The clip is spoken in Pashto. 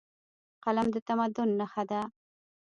قلم د تمدن نښه ده.